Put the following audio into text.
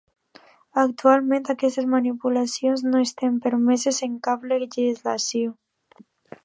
Actualment aquestes manipulacions no estan permeses en cap legislació.